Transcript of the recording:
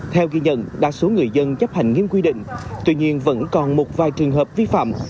theo ghi nhận đa số người dân chấp hành nghiêm quy định tuy nhiên vẫn còn một vài trường hợp vi phạm